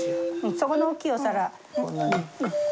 そこの大きいお皿。